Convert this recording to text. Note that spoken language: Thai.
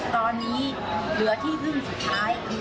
ตอนนี้เหลือที่พึ่งสุดท้ายคือ